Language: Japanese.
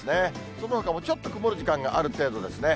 そのほかもちょっと曇る時間がある程度ですね。